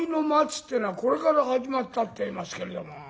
ってえのはこれから始まったっていいますけれども。